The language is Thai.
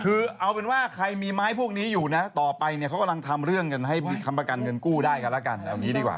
คือเอาเป็นว่าใครมีไม้พวกนี้อยู่ต่อไปเขากำลังทำเรื่องให้มีคำประกันเงินกู้ได้กันละกันแล้วนี้ดีกว่า